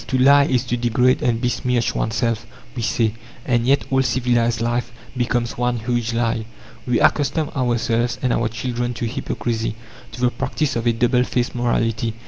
"To lie is to degrade and besmirch oneself," we say, and yet all civilized life becomes one huge lie. We accustom ourselves and our children to hypocrisy, to the practice of a double faced morality.